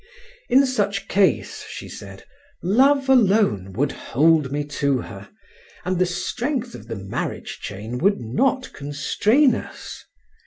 In such case, she said, love alone would hold me to her, and the strength of the marriage chain would not constrain us.